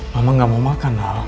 mama gak mau makan hal